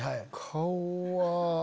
顔は。